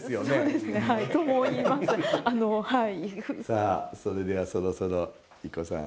さあそれではそろそろＩＫＫＯさん。